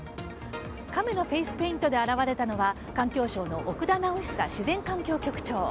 カメのフェイスペイントで現れたのは環境省の奥田直久自然環境局長。